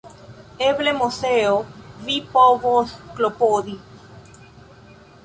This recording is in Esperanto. Eble, Moseo; vi povos klopodi.